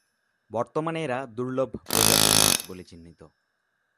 বর্তমানে এরা দুর্লভ প্রজাতির মাছ বলে চিহ্নিত।